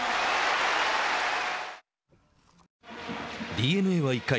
ＤｅＮＡは１回。